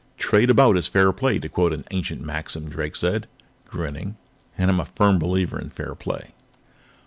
"Trade about is fair play, to quote an ancient maxim," Drake said, grinning. "And I am a firm believer in fair play.